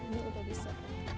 ini sudah bisa